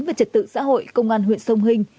và trật tự xã hội công an huyện sông hinh